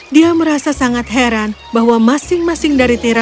dia merasa sangat heran bahwa masing masing dari tiram